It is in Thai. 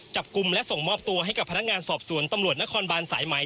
จับกลุ่มและส่งมอบตัวให้กับพนักงานสอบสวนตำรวจนครบานสายไหม